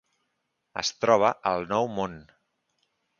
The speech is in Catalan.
Es troba al Nou Món.